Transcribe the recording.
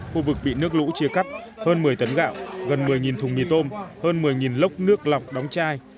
khu vực bị nước lũ chia cắt hơn một mươi tấn gạo gần một mươi thùng mì tôm hơn một mươi lốc nước lọc đóng chai